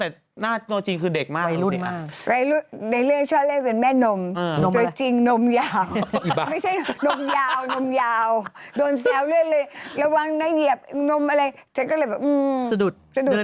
สะดุดเดือนแดนวงสะดุด